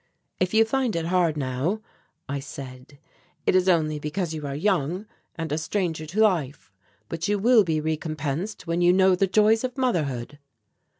"If you find it hard now," I said, "it is only because you are young and a stranger to life, but you will be recompensed when you know the joys of motherhood."